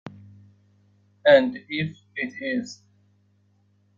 And if it is?